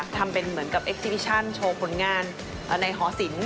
ทำเป็นเหมือนกับเอ็กซิวิชั่นโชว์ผลงานในหอศิลป